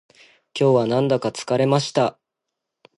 今日はなんだか疲れました